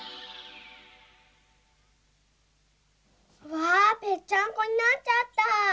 わぺっちゃんこになっちゃった！